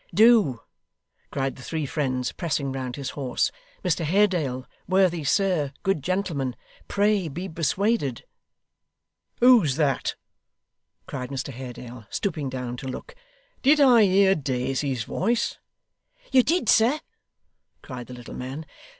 'Do!' cried the three friends, pressing round his horse. 'Mr Haredale worthy sir good gentleman pray be persuaded.' 'Who's that?' cried Mr Haredale, stooping down to look. 'Did I hear Daisy's voice?' 'You did, sir,' cried the little man.